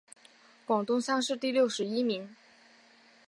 广东乡试第六十一名。